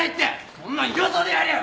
そんなんよそでやれよ！